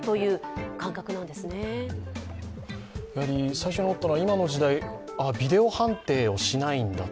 最初に思ったのは今の時代、ビデオ判定をしないんだと。